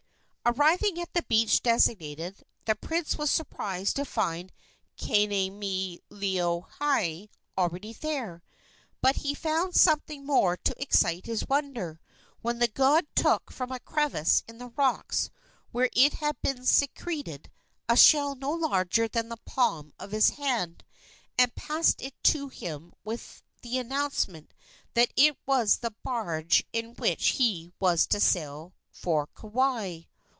Arriving at the beach designated, the prince was surprised to find Kanemilohai already there; but he found something more to excite his wonder when the god took from a crevice in the rocks, where it had been secreted, a shell no larger than the palm of his hand, and passed it to him with the announcement that it was the barge in which he was to sail for Kauai.